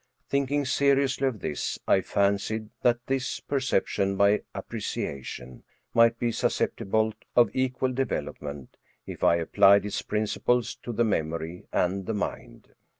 Thinking seriously of this, I fan cied that this " perception by appreciation " might be sus ceptible of equal development, if I applied its principles to the memory and the mind.